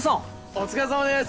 お疲れさまです。